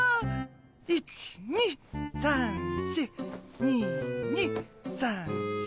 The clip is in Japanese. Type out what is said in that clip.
１２３４２２３４。